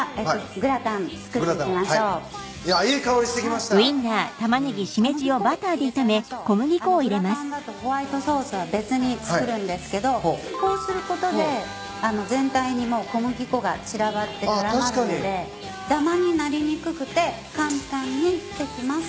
グラタンだとホワイトソースは別に作るんですけどこうすることで全体にもう小麦粉が散らばって絡まるのでだまになりにくくて簡単にできます。